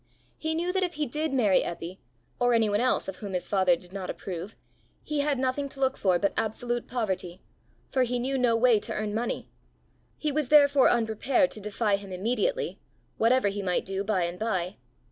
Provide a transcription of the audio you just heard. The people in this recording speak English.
He knew that if he did marry Eppy, or any one else of whom his father did not approve, he had nothing to look for but absolute poverty, for he knew no way to earn money; he was therefore unprepared to defy him immediately whatever he might do by and by.